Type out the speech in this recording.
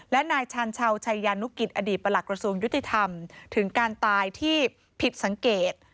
และนายชัญเชาชัยนุกิทศ์อดีตประหลักรสุนยุทธิธรรมถึงการตายที่ผิดสังเกต